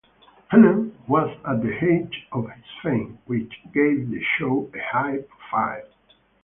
Hagman was at the height of his fame, which gave the show a high-profile.